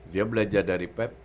dia belajar dari pep